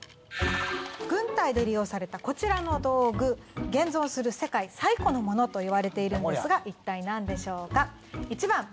軍隊で利用されたこちらの道具現存する世界最古のものといわれているんですがいったい何でしょうか？